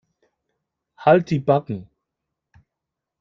Halt die Backen.